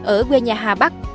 ở quê nhà hà bắc